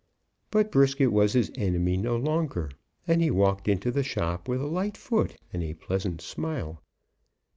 But Brisket was his enemy no longer, and he walked into the shop with a light foot and a pleasant smile.